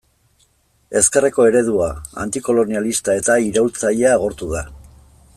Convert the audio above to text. Ezkerreko eredua, antikolonialista eta iraultzailea agortu da.